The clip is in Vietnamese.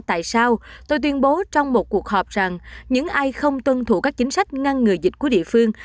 tại sao tôi tuyên bố trong một cuộc họp rằng những ai không tuân thủ các chính sách ngăn ngừa dịch của địa phương